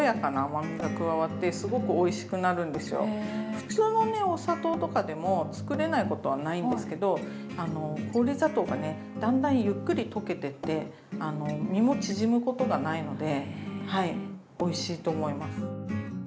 普通のねお砂糖とかでも作れないことはないんですけど氷砂糖がねだんだんゆっくり溶けてって実も縮むことがないのでおいしいと思います。